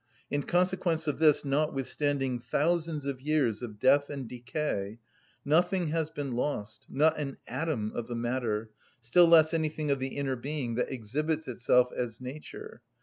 In consequence of this, notwithstanding thousands of years of death and decay, nothing has been lost, not an atom of the matter, still less anything of the inner being, that exhibits itself as nature.